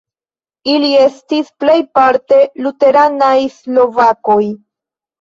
Ili estis plejparte luteranaj slovakoj.